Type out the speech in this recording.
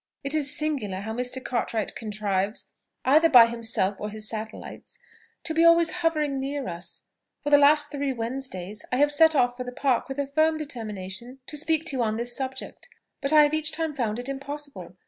It is singular how Mr. Cartwright contrives, either by himself or his satellites, to be always hovering near us. For the three last Wednesdays I have set off for the Park with a firm determination to speak to you on this subject; but I have each time found it impossible.